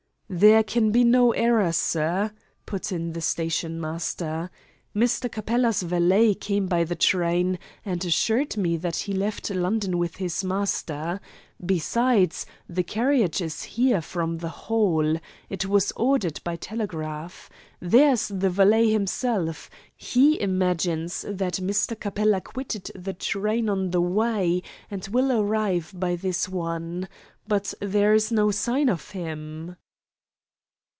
"There can be no error, sir," put in the stationmaster. "Mr. Capella's valet came by the train, and assured me that he left London with his master. Besides, the carriage is here from the Hall. It was ordered by telegraph. There is the valet himself. He imagines that Mr. Capella quitted the train on the way, and will arrive by this one. But there is no sign of him."